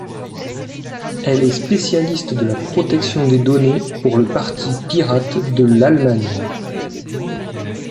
Elle est spécialiste de la protection des données pour le parti pirate de l'Allemagne.